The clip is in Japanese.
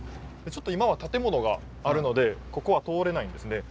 ちょっと今は建物があるのでここは通れないんですね。